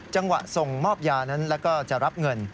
จังหวะส่งมอบยานั้นแล้วก็จะรับเงิน